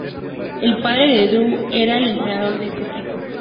El padre de Dru era el entrenador de este equipo.